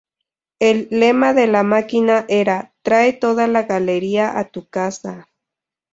El lema de la máquina era "¡Trae toda la galería a tu casa!